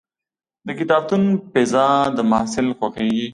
د کتابتون فضا د محصل خوښېږي.